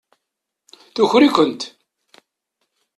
Tuker-ikent.